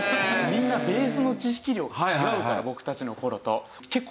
みんなベースの知識量が違うから僕たちの頃と。